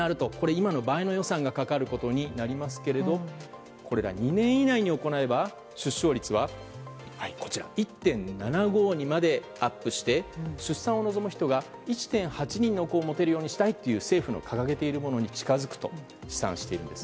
今の倍の予算がかかることになりますけれど２年以内に行えば出生率は１．７５にまでアップして出産を望む人が１．８人の子を持ちたいという政府の掲げているものに近づくと試算しているんです。